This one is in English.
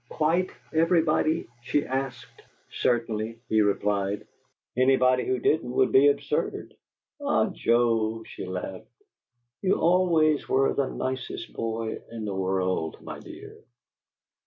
"Quite everybody!" she asked. "Certainly," he replied. "Anybody who didn't would be absurd." "Ah, Joe!" she laughed. "You always were the nicest boy in the world, my dear!"